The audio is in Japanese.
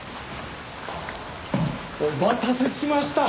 お待たせしました。